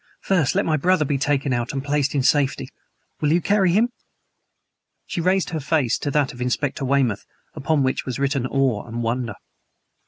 "First let my brother be taken out and placed in safety. Will you carry him?" She raised her face to that of Inspector Weymouth, upon which was written awe and wonder.